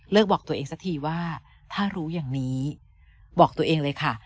บอกตัวเองสักทีว่าถ้ารู้อย่างนี้บอกตัวเองเลยค่ะ